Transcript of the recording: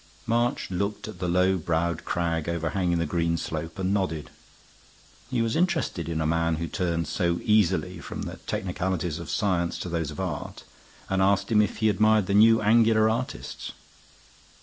March looked at the low browed crag overhanging the green slope and nodded. He was interested in a man who turned so easily from the technicalities of science to those of art; and asked him if he admired the new angular artists.